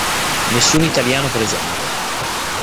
Nessun italiano presente.